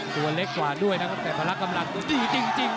ตัวเล็กกว่าด้วยนะครับแต่พละกำลังตัวดีจริง